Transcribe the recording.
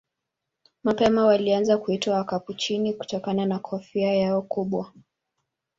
Mapema walianza kuitwa Wakapuchini kutokana na kofia yao kubwa.